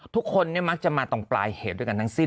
ทุกคนมักจะมาตรงปลายเหตุด้วยกันทั้งสิ้น